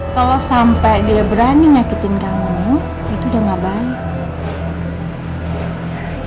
kalau sampai dia berani nyakitin kamu itu udah gak baik